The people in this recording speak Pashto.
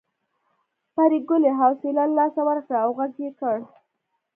پريګلې حوصله له لاسه ورکړه او غږ یې کړ